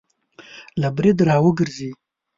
له برید را وګرځي